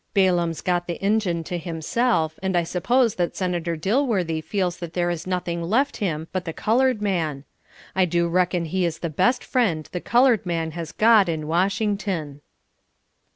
Balaam'a got the Injun to himself, and I suppose that Senator Dilworthy feels that there is nothing left him but the colored man. I do reckon he is the best friend the colored man has got in Washington."